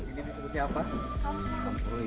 ini disebutnya apa